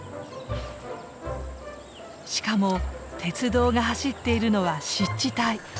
しかも鉄道が走っているのは湿地帯。